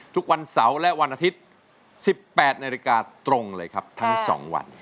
ทุกวันเสาร์และวันอาทิตย์๑๘นาฬิกาตรงเลยครับทั้ง๒วัน